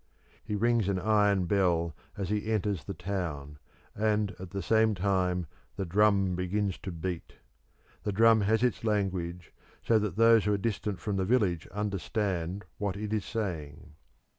He rings an iron bell as he enters the town, and at the same time the drum begins to beat. The drum has its language, so that those who are distant from the village understand what it is saying.